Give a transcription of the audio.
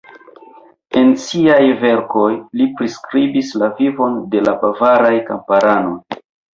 En siaj verkoj li priskribis la vivon de la bavaraj kamparanoj.